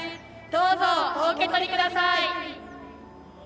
どうぞお受け取りください。